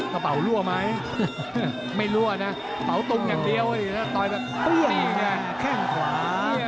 กระเป๋ารั่วไหมไม่รั่วนะต้อยแบบป้วนแค่ขวา